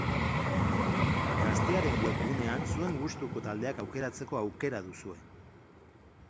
Gaztearen webgunean zuen gustuko taldeak aukeratzeko aukera duzue.